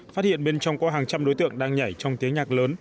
phát hiện bên trong có hàng trăm đối tượng đang nhảy trong tiếng nhạc lớn